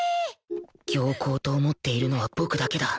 僥倖と思っているのは僕だけだ